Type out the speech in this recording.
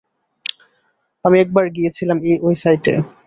আমি একবার গিয়েছিলাম অই সাইটে।